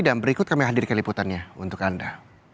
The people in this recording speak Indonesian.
dan berikut kami hadirkan liputannya untuk anda